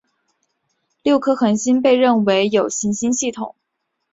六颗恒星被认为有行星系统。